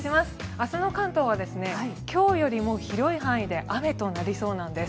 明日の関東は今日よりも広い範囲で雨となりそうなんです。